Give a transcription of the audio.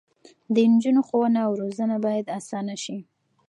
د نجونو ښوونه او روزنه باید اسانه شي.